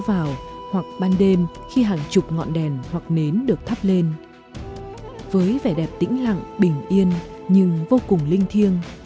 với vẻ đẹp tĩnh lặng bình yên nhưng vô cùng linh thiêng